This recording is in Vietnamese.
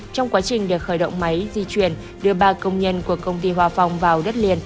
trong quá trình được khởi động máy di chuyển đưa ba công nhân của công ty hòa phong vào đất liền